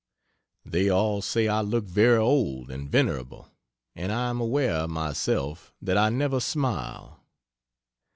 They all say I look very old and venerable and I am aware, myself, that I never smile.